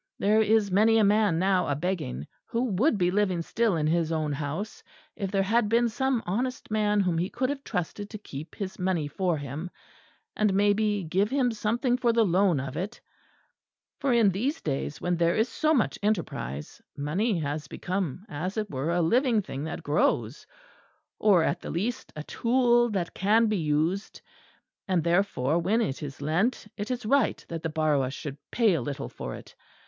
There is many a man now a begging who would be living still in his own house, if there had been some honest man whom he could have trusted to keep his money for him, and, maybe, give him something for the loan of it: for in these days, when there is so much enterprise, money has become, as it were, a living thing that grows; or at the least a tool that can be used; and therefore, when it is lent, it is right that the borrower should pay a little for it.